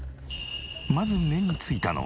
まず目についたのは。